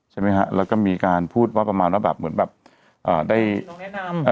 ใช่ไหมฮะแล้วก็มีการพูดว่าประมาณว่าแบบเหมือนแบบอ่าได้แนะนำ